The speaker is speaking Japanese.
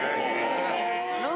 何？